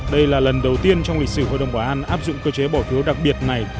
đây là lần đầu tiên trong lịch sử hội đồng bảo an áp dụng cơ chế bỏ phiếu đặc biệt này